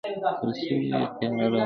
پر سترګو يې تياره راغله.